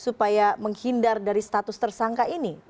supaya menghindar dari status tersangka ini